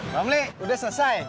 bangli udah selesai